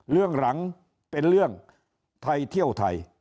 เรื่องหลังเป็นเรื่องไทยเที่ยวไทย